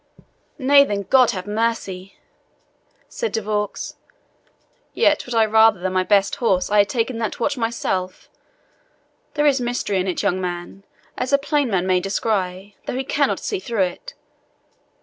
"Nay, then, God have mercy!" said De Vaux. "Yet would I rather than my best horse I had taken that watch myself. There is mystery in it, young man, as a plain man may descry, though he cannot see through it.